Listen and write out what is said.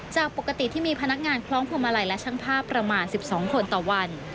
จากปกติที่มีพนักงานคล้องพวงมาลัยและช่างภาพประมาณ๑๒คนต่อวัน